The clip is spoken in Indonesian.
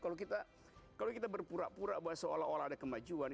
kalau kita berpura pura bahwa seolah olah ada kemajuan